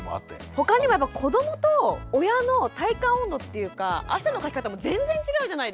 他にも子どもと親の体感温度っていうか汗のかき方も全然違うじゃないですか。